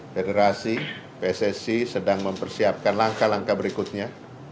federasi pssi sedang mempersiapkan langkah langkah berikutnya